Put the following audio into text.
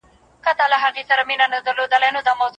کمپيوټر پوهنه د ډیجیټلي نړۍ د پوهې نوم دی.